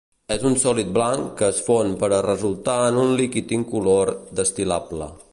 És un sòlid blanc que es fon per a resultar en un líquid incolor destil·lable.